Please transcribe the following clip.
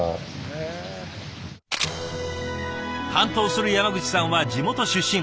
担当する山口さんは地元出身。